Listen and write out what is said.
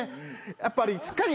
やっぱりしっかり。